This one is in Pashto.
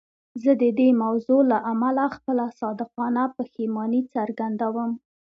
زه د دې موضوع له امله خپله صادقانه پښیماني څرګندوم.